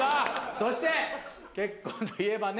そして結婚といえばね